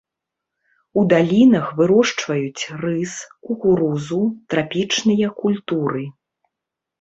У далінах вырошчваюць рыс, кукурузу, трапічныя культуры.